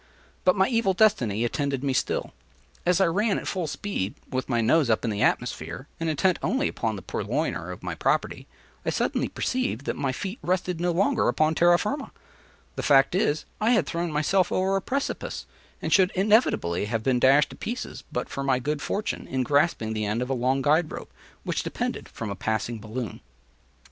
But my evil destiny attended me still. As I ran at full speed, with my nose up in the atmosphere, and intent only upon the purloiner of my property, I suddenly perceived that my feet rested no longer upon terra firma; the fact is, I had thrown myself over a precipice, and should inevitably have been dashed to pieces but for my good fortune in grasping the end of a long guide rope, which depended from a passing balloon.